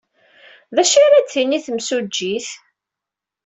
D acu ara d-tini temsujjit?